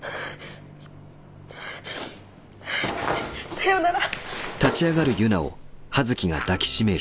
さよなら。